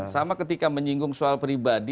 sama ketika menyinggung soal pribadi